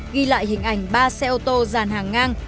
ghi lại hình ảnh ba xe ô tô giàn hàng ngang